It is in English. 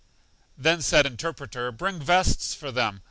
Then said Interpreter: Bring vests for them.